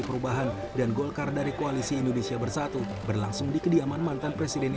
perubahan dan golkar dari koalisi indonesia bersatu berlangsung di kediaman mantan presiden